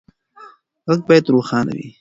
غږ باید روښانه وي.